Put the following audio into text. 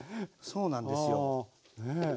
そうなんですよ。